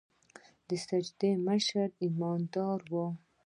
د مسجد مشر ايمانداره وي.